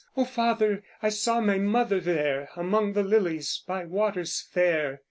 O father, I saw my mother there, Among the lilies by waters fair."